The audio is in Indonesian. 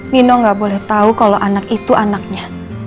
mino gak boleh tahu kalau anak itu anaknya